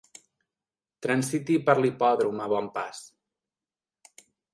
Transiti per l'hipòdrom a bon pas.